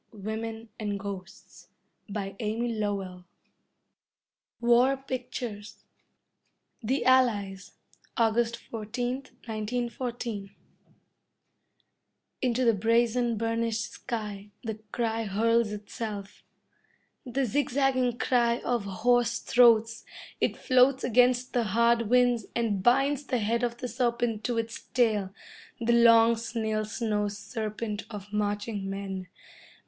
Impudent! Audacious! But, by Jove, he blinds the eyes! WAR PICTURES The Allies August 14th, 1914 Into the brazen, burnished sky, the cry hurls itself. The zigzagging cry of hoarse throats, it floats against the hard winds, and binds the head of the serpent to its tail, the long snail slow serpent of marching men.